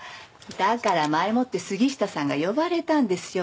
だから前もって杉下さんが呼ばれたんですよ。